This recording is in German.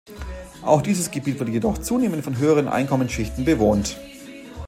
Auch dieses Gebiet wird jedoch zunehmend von höheren Einkommensschichten bewohnt.